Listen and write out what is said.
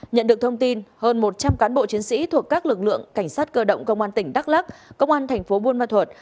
nhận được thông tin hơn một trăm linh cán bộ chiến sĩ thuộc các lực lượng cảnh sát cơ động công an tỉnh đắk lắc công an thành phố buôn ma thuật